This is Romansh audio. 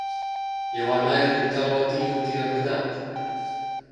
Jeu hai mai raquintau a ti l’entira verdad.